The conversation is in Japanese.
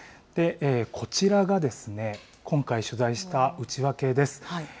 こちらがですね、今回取材した内訳です。